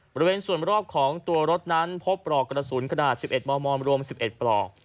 บริเวณส่วนรอบของตัวรถนั้นพบปลอกกระสุนขนาด๑๑มมรวม๑๑ปลอก